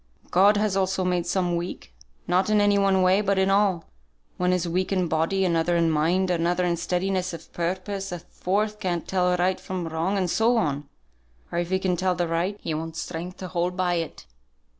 God has also made some weak; not in any one way, but in all. One is weak in body, another in mind, another in steadiness of purpose, a fourth can't tell right from wrong, and so on; or if he can tell the right, he wants strength to hold by it.